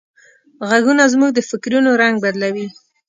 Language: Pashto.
غږونه زموږ د فکرونو رنگ بدلوي.